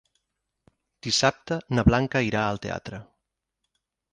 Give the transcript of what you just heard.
Dissabte na Blanca irà al teatre.